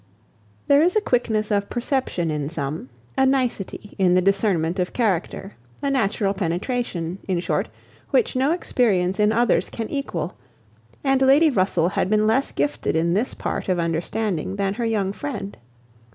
There is a quickness of perception in some, a nicety in the discernment of character, a natural penetration, in short, which no experience in others can equal, and Lady Russell had been less gifted in this part of understanding than her young friend.